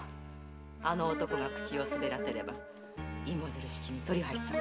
あの男が口を滑らせれば芋づる式に反橋様も。